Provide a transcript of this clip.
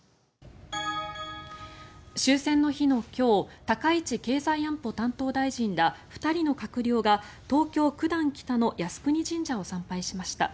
終戦の日の今日高市経済安保担当大臣ら２人の閣僚が東京・九段北の靖国神社を参拝しました。